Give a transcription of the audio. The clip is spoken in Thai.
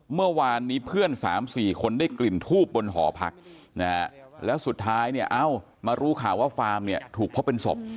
เมื่อวานนี้เพื่อน๓๔คนได้กลิ่นทูบบนหอผักแล้วสุดท้ายมารู้ข่าวว่าฟาร์มถูกเพราะเป็นศพ